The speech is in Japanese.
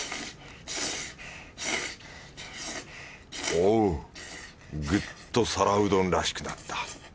おぅぐっと皿うどんらしくなった。